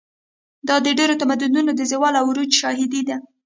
دا د ډېرو تمدنونو د زوال او عروج شاهد دی.